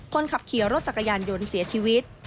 คนขับขี่รถจักรยานยนต์เสียชีวิต